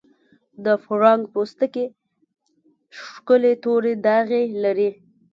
د پړانګ پوستکی ښکلي تورې داغې لري.